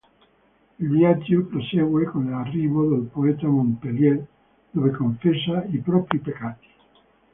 Il viaggio prosegue con l'arrivo del poeta a Montpellier dove confessa i propri peccati.